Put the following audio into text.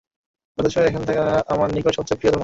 অথচ এখন তা আমার নিকট সবচেয়ে প্রিয় ধর্ম।